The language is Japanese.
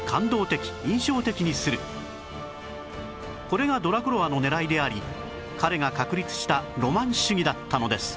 これがドラクロワの狙いであり彼が確立したロマン主義だったのです